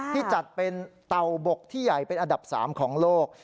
ที่จัดเป็นเต่าบกที่ใหญ่เป็นอันดับ๓ของโลก